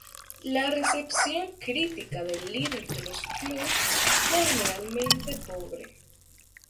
La recepción crítica del líder de los Flood fue generalmente pobre.